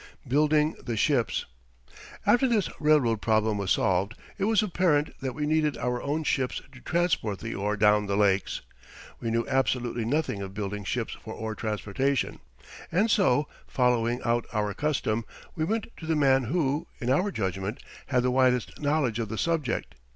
BUILDING THE SHIPS After this railroad problem was solved, it was apparent that we needed our own ships to transport the ore down the lakes. We knew absolutely nothing of building ships for ore transportation, and so, following out our custom, we went to the man who, in our judgment, had the widest knowledge of the subject.